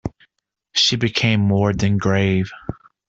She became more than grave.